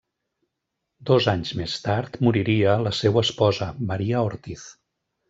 Dos anys més tard moriria la seua esposa, Maria Ortiz.